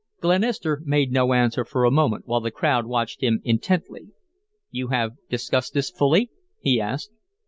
Glenister made no answer for a moment, while the crowd watched him intently. "You have discussed this fully?" he asked.